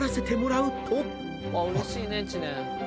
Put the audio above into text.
「うれしいね知念」